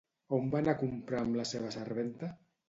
On va a comprar amb la seva serventa?